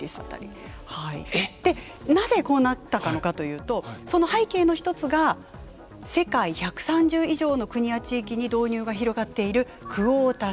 でなぜこうなったのかというとその背景の一つが世界１３０以上の国や地域に導入が広がっているクオータ制。